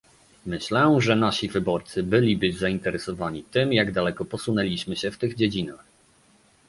Myślę, że nasi wyborcy byliby zainteresowani tym, jak daleko posunęliśmy się w tych dziedzinach